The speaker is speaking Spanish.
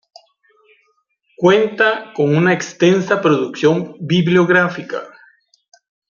Cuenta con una extensa producción bibliográfica.